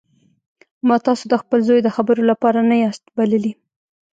ما تاسو د خپل زوی د خبرو لپاره نه یاست بللي